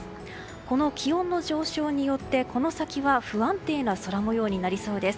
この気温の上昇によってこの先は不安定な空模様になりそうです。